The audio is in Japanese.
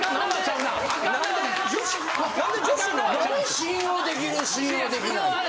信用できる信用できない。